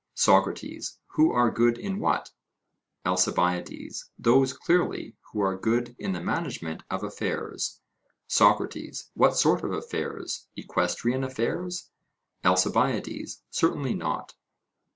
SOCRATES: Who are good in what? ALCIBIADES: Those, clearly, who are good in the management of affairs. SOCRATES: What sort of affairs? Equestrian affairs? ALCIBIADES: Certainly not.